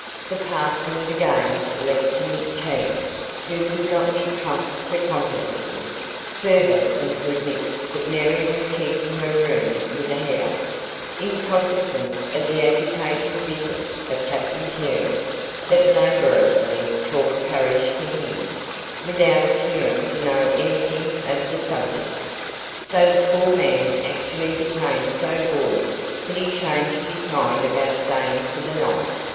The parson was again left to Miss Keene, who would not be pumped for confidences, further than to admit that Mary was keeping her room with a headache, in consequence of the agitating visit of Captain Carey, but laboriously talked parish to him, without appearing to know anything of the subject. So the poor man actually became so bored that he changed his mind about staying for the night.